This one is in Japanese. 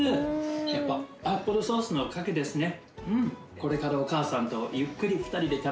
やっぱアップルソースのおかげですね。